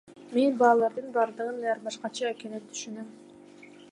Мен балдардын бардыгы ар башкача экенин түшүнөм.